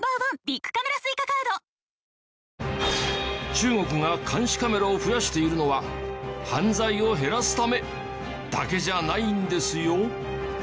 中国が監視カメラを増やしているのは犯罪を減らすためだけじゃないんですよ。